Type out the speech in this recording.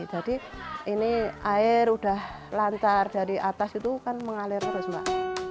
jadi ini air udah lancar dari atas itu kan mengalir terus mbak